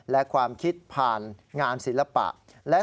และความคิดผ่านงานศิลปะ